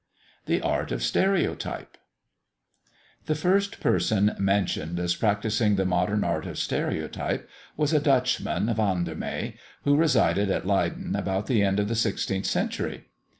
THE ART OF STEREOTYPE. The first person mentioned as practising the modern art of stereotype, was a Dutchman, Van der Mey, who resided at Leyden about the end of the sixteenth century.